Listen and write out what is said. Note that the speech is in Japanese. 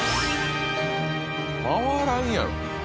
回らんやろ。